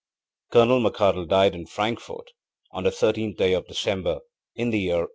ŌĆØ Colonel McArdle died in Frankfort on the thirteenth day of December, in the year 1879.